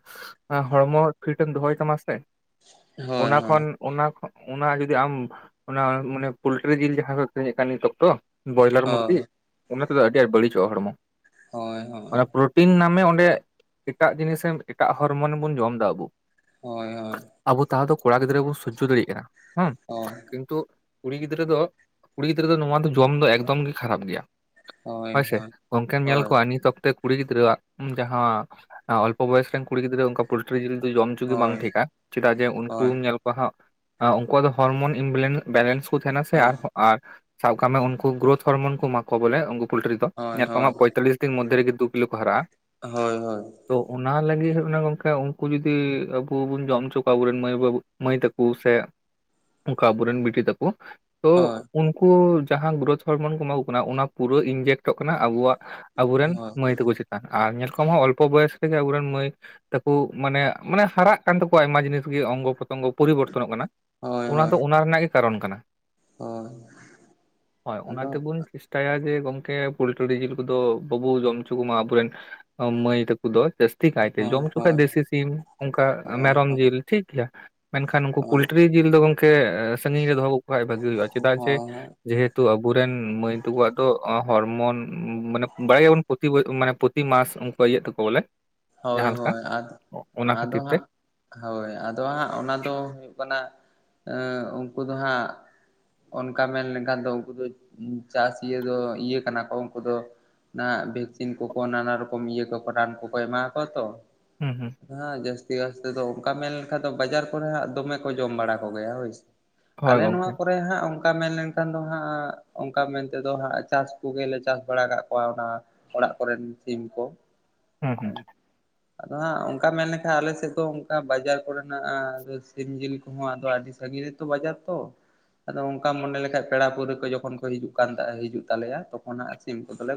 S2: ᱦᱚᱲᱢᱚ ᱯᱷᱤᱴᱢ ᱫᱚᱦᱚᱭ ᱛᱟᱢᱟ ᱥᱮ
S1: [unintelligible]
S2: ᱚᱱᱟ ᱠᱷᱚᱱ
S1: ᱦᱳᱭ
S2: ᱚᱱᱟ ᱚᱱᱟ ᱡᱩᱫᱤ ᱟᱢ ᱚᱱᱟ ᱢᱟᱱᱮ ᱯᱳᱚᱞᱴᱤᱨᱤ ᱡᱤᱞ ᱡᱟᱦᱟᱸ ᱠᱚ ᱟᱹᱠᱷᱤᱨᱤᱧᱮᱫ ᱠᱟᱱ ᱱᱤᱛ ᱚᱠᱛᱚ ᱵᱚᱭᱞᱟᱨ ᱢᱩᱨᱜᱤ
S1: ᱦᱳᱭ
S2: ᱚᱱᱟ ᱛᱮᱫᱚ ᱟᱹᱰᱤ ᱟᱸᱴ ᱵᱟᱹᱲᱤᱡᱚᱜᱼᱟ ᱦᱚᱲᱢᱚ
S1: ᱦᱳᱭ
S2: ᱚᱱᱟ
S1: ᱦᱳᱭ
S2: ᱴᱤᱱ ᱱᱟᱢᱮ ᱚᱸᱰᱮ ᱮᱴᱟᱜ ᱡᱤᱱᱤᱥᱮ ᱮᱴᱟᱜ ᱦᱚᱨᱢᱚᱱ ᱵᱚᱱ ᱡᱚᱢᱫᱟ ᱟᱵᱚ
S1: ᱦᱳᱭ ᱦᱳᱭ
S2: ᱟᱵᱚ ᱛᱟᱣ ᱫᱚ ᱠᱚᱲᱟ ᱜᱤᱫᱽᱨᱟᱹ ᱵᱚᱱ ᱥᱚᱡᱚᱚ ᱫᱟᱲᱮᱭᱟᱜ ᱠᱟᱱᱟ ᱦᱮᱸ
S1: ᱦᱳᱭ
S2: ᱠᱤᱱᱛᱩ ᱠᱩᱲᱤ ᱜᱤᱫᱽᱨᱟᱹ ᱫᱚ ᱠᱩᱲᱤ ᱜᱤᱫᱽᱨᱟᱹ ᱫᱚ ᱱᱚᱣᱟ ᱫᱚ ᱡᱚᱢ ᱫᱚ ᱮᱠᱫᱚᱢ ᱜᱮ ᱠᱷᱟᱨᱟᱯ ᱜᱮᱭᱟ
S1: ᱦᱳᱭ
S2: ᱦᱳᱭᱥᱮ
S1: ᱦᱳᱭ
S2: ᱜᱚᱝᱠᱮᱢ ᱧᱮᱞ ᱠᱚᱣᱟ ᱱᱤᱛ ᱠᱩᱲᱤ ᱜᱤᱫᱽᱟᱹᱣᱟᱜ ᱡᱟᱦᱟᱸ ᱚᱞᱯᱚ ᱵᱚᱭᱮᱥ ᱨᱮᱱ ᱠᱩᱲᱤ ᱜᱤᱫᱽᱨᱟᱹ ᱚᱱᱠᱟ ᱯᱚᱞᱴᱨᱤ ᱡᱤᱞ ᱫᱚ ᱡᱚᱢ ᱚᱪᱚ ᱜᱮ ᱵᱟᱝ
S1: ᱦᱳᱭ
S2: ᱴᱷᱤᱠᱟ ᱪᱮᱫᱟᱜ ᱡᱮ
S1: ᱦᱳᱭ
S2: ᱩᱱᱠᱩᱢ ᱧᱮᱞ ᱠᱚᱣᱟ ᱦᱟᱸᱜ ᱩᱱᱠᱩᱣᱟᱜ ᱫᱚ ᱦᱚᱲᱚᱨᱢᱚᱱ ᱵᱮᱞᱮᱱᱥ ᱠᱚ ᱛᱟᱦᱮᱱᱟ ᱥᱮ ᱟᱨ
S1: ᱦᱳᱭ
S2: ᱟᱨ ᱥᱟᱵ ᱠᱟᱜ ᱢᱮ ᱩᱱᱠᱩ ᱜᱨᱳᱛᱷ ᱦᱚᱨᱢᱚᱱ ᱠᱚ ᱮᱢᱟ ᱠᱚᱣᱟ ᱵᱚᱞᱮ ᱩᱱᱠᱩ ᱯᱳᱚᱞᱴᱨᱤ ᱫᱚ
S1: ᱦᱳᱭ
S2: ᱧᱮᱞ
S1: ᱦᱳᱭ ᱦᱳᱭ
S2: ᱠᱚᱣᱟᱢᱦᱟᱜ ᱯᱚᱸᱭᱛᱟᱞᱤᱥ ᱫᱤᱱ ᱢᱽᱮ ᱨᱮᱤ ᱫᱩ ᱠᱤᱞᱳ ᱠᱚ ᱦᱟᱨᱟᱜᱼᱟ
S1: ᱦᱳᱭ ᱦᱳᱭ
S2: ᱛᱚ ᱚᱱᱟ ᱞᱟᱹᱜᱤᱫ ᱦ ᱠᱟᱱᱟ ᱜᱚᱢᱠᱮ ᱩᱱᱠᱩ ᱡᱩᱚᱫᱤ ᱟᱵᱚ ᱵᱚᱱ ᱡᱚᱢ ᱦᱚᱪ ᱠᱟ ᱟᱵᱨᱮᱱ ᱢᱟᱹᱭ ᱵᱟᱹᱵᱩ ᱢᱟᱹᱭ ᱛᱟᱠᱚ ᱥᱮ ᱚᱠᱟ ᱟᱵᱚᱨᱮᱱ ᱵᱤᱴᱤ ᱛᱟᱠᱚ ᱛᱚ
S1: ᱦᱳᱭ
S2: ᱩᱱᱠᱩ ᱡᱟᱦᱟᱸ ᱜᱨᱡᱽ ᱦᱚᱲᱢᱚᱱ ᱠᱚ ᱮᱢᱟ ᱠᱚ ᱠᱟᱱᱟ ᱚᱱᱟ ᱯᱩᱨᱟᱹ ᱤᱱᱡᱮᱠᱴᱚᱜ ᱠᱟᱱᱟ ᱟᱵᱚᱣᱟᱜ ᱟᱵᱚ ᱨᱮᱱ ᱨᱮᱱ
S1: ᱦᱳᱭ
S2: ᱢᱟᱭ ᱛᱟᱠᱚ ᱪᱮ ᱟᱨ ᱧᱮᱞ ᱠᱚᱢ ᱦᱚᱸ ᱚᱞᱯᱚ ᱵᱚᱭᱚᱥ ᱨᱮᱜᱮ ᱟᱵᱚᱨᱮᱱ ᱢᱟᱹᱭ ᱛᱟᱠᱚ ᱢᱟᱱᱮ ᱢᱟᱱᱮ ᱦᱟᱨᱟᱜ ᱠᱟᱱ ᱛᱟᱠᱚᱣᱟ ᱟᱭᱢᱟ ᱡᱤᱱᱤᱥ ᱜᱮ ᱚᱝᱜᱚ ᱯᱨᱚᱛᱚᱝᱜᱚ ᱯᱚᱨᱤᱵᱚᱨᱛᱚᱱᱚᱜ ᱠᱟᱱᱟ
S1: ᱦᱳᱭ
S2: ᱚᱱᱟ
S1: ᱦᱳᱭ
S2: ᱫᱚ ᱚᱱᱟ ᱨᱮᱱᱟᱜ ᱜᱮ ᱠᱟᱨᱚᱱ ᱠᱟᱱᱟ
S1: ᱦᱳᱭ
S2: ᱦᱳᱭ ᱚᱱᱟ
S1: ᱟᱫᱚ
S2: ᱛᱮᱵᱚᱱ ᱫᱟᱭᱟᱜᱮ ᱜᱮ ᱜᱚᱢᱠᱮ ᱯᱳᱚᱞᱴᱨᱤ ᱡᱤᱞ ᱠᱚᱫᱚ ᱵᱟᱵᱚ ᱡᱚᱢ ᱦᱚᱪᱚ ᱠᱚᱟ ᱟᱵᱚᱨᱮᱱ ᱢᱟᱹᱭ ᱛᱟᱠᱚ ᱫᱚ ᱡᱟᱥᱛᱤ ᱠᱟᱭᱛᱮ ᱡᱚᱢ
S1: ᱦᱳᱭ
S2: ᱦᱚᱪᱚ ᱠᱷᱟᱱ
S1: ᱦᱳᱭ
S2: ᱫᱮᱥᱤ ᱥᱤᱢ ᱚᱱᱠᱟ
S1: ᱦᱳᱭ
S2: ᱢᱮᱨᱚᱢ
S1: ᱦᱳᱭ
S2: ᱡᱤᱞ ᱴᱷᱤᱠ ᱜᱮᱭᱟ ᱢᱮᱱᱠᱷᱟᱱ ᱩᱱᱠᱩ
S1: ᱦᱳᱭ
S2: ᱯᱳᱚᱞᱴᱨᱤ ᱡᱤᱞ ᱫᱚ ᱜᱚᱝᱠᱮ ᱥᱟᱹᱜᱤᱧ ᱨᱮ ᱫᱚᱦᱚᱠᱚ ᱠᱷᱟᱱᱡ ᱵᱷᱟᱜᱤ ᱦᱩᱭᱩᱜᱼᱟ ᱪᱮᱫᱟᱜ ᱡᱮ
S1: ᱦᱳᱭ
S2: ᱡᱮᱦᱮᱛᱩ ᱟᱵᱚᱨᱮᱱ ᱢᱟᱹᱭ ᱛᱟᱠᱚᱣᱟᱜ ᱫᱚ ᱦᱚᱲᱢᱚᱱ ᱢᱟᱱᱮ ᱵᱟᱲᱟᱭ ᱜᱮᱭᱟᱵᱚᱱ ᱯᱨᱚᱛᱤ ᱢᱟᱱᱮ ᱯᱨᱚᱛᱤ ᱢᱟᱥ ᱩᱱᱠᱩ ᱤᱭᱟᱹᱜ ᱛᱟᱠᱚ ᱵᱚᱞᱮ
S1: ᱦᱳᱭ
S2: ᱡᱟᱦᱟᱸ ᱞᱮᱠᱟ
S1: ᱦᱳᱭ ᱟ
S2: ᱚᱱᱟ
S1: ᱟᱫᱚ
S2: ᱠᱷᱟᱹᱛᱤᱨ ᱛᱮ
S1: ᱦᱟᱸᱜ ᱦᱳᱭ ᱟᱫᱚ ᱦᱟᱸᱜ ᱚᱱᱟ ᱫᱚ ᱦᱩᱭᱩᱜ ᱠᱟᱱᱟ ᱩᱱᱠᱩ ᱫᱚ ᱦᱟᱸᱜ ᱚᱱᱠᱟ ᱢᱮᱱ ᱞᱮᱠᱷᱟᱱ ᱫᱚ ᱩᱱᱠᱩ ᱫᱚ ᱪᱟᱥ ᱤᱭᱟᱹ ᱫᱚ ᱤᱭᱟᱹ ᱠᱟᱱᱟ ᱠᱚ ᱩᱱᱠᱩ ᱫᱚ ᱱᱟ ᱵᱷᱮᱠᱥᱤᱱ ᱠᱚᱠᱚ ᱱᱟᱱᱟ ᱨᱚᱠᱚᱢ ᱤᱭᱟᱹ ᱠᱚᱠᱚ ᱨᱟᱱ ᱠᱚᱠᱚ ᱮᱢᱟ ᱠᱚᱣᱟ ᱛᱚ
S2: ᱦᱩᱸ ᱦᱩᱸ
S1: ᱦᱮᱸ ᱡᱟᱹᱥᱛᱤ ᱠᱥᱛᱮ ᱫᱚ ᱚᱱᱠᱟ ᱢᱮᱱ ᱞᱮᱠᱷᱟᱱ ᱫᱚ ᱵᱟᱡᱟᱨ ᱠᱚᱨᱮ ᱦᱜ ᱫᱚᱢᱮ ᱠᱚ ᱡᱚᱢ ᱵᱟᱲᱟ ᱠᱚᱜᱮᱭᱟ ᱦᱳᱭᱥᱮ
S2: ᱦᱳᱭ
S1: ᱟᱞᱮ ᱱᱚᱣᱟ
S2: ᱜᱚᱝᱠᱮ
S1: ᱠᱚ ᱛᱟᱯᱚᱨᱮ ᱦᱟᱸᱜ ᱚᱱᱠᱟ ᱢᱮᱱᱞᱱᱠᱷᱟᱱ ᱫᱚ ᱦᱟᱸᱜ ᱚᱱᱠᱟ ᱢᱮᱱᱛᱮᱫᱚ ᱦᱟᱸᱜ ᱪᱟᱥ ᱠᱚᱜᱮᱞᱮ ᱪᱟᱥ ᱵᱟᱲᱟ ᱠᱟᱜ ᱠᱚᱣᱟ ᱚᱱᱟ ᱚᱲᱟᱜ ᱠᱚᱨᱮᱱ ᱥᱤᱢ ᱠᱚ
S2: ᱦᱩᱸ ᱦᱩᱸ
S1: ᱟᱫᱚ ᱦᱟᱸᱜ ᱚᱱᱠᱟ ᱢᱮᱱ ᱞᱮᱠᱷᱟ ᱟᱞᱮ ᱥᱮᱫ ᱫᱚ ᱚᱱᱠᱟ ᱵᱟᱡᱟᱨ ᱠᱚᱨᱮᱱᱟᱜ ᱟᱫᱚ ᱥᱤᱢ ᱡᱤᱞ ᱠᱚᱦᱚᱸ ᱟᱫᱚ ᱟᱹᱰᱤ ᱥᱟᱺᱜᱤᱧ ᱨᱮ ᱚ ᱵᱟᱡᱟᱨ ᱛᱚ ᱟᱫᱚ ᱚᱱᱠᱟ ᱢᱚᱱᱮ ᱞᱮᱠᱟᱱᱡ ᱯᱮᱲᱟ ᱯᱟᱹᱲᱦᱟᱹ ᱡᱚᱠᱷᱚᱱ ᱠᱚ ᱦᱤᱡᱩᱜ ᱠᱟᱱ ᱦᱤᱡᱩᱜ ᱛᱟᱞᱮᱭᱟ ᱛᱚᱠᱷᱚᱱᱜ ᱥᱤᱢ ᱠᱚᱫᱚᱞᱮ